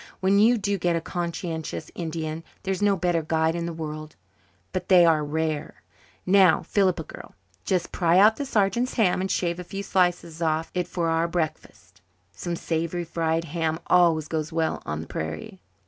When you do get a conscientious Indian there is no better guide in the world, but they are rare. Now, Philippa girl, just pry out the sergeant's ham and shave a few slices off it for our breakfast. Some savoury fried ham always goes well on the prairie."